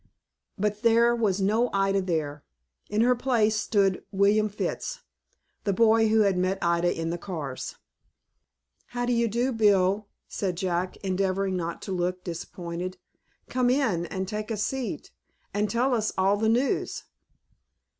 But there was no Ida there. In her place stood William Fitts, the boy who had met Ida in the cars. "How do you do, Bill?" said Jack, endeavoring not to look disappointed. "Come in, and take a seat, and tell us all the news."